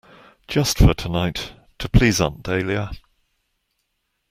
Just for tonight, to please Aunt Dahlia?